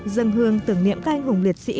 dân hương tưởng niệm canh hùng liệt sĩ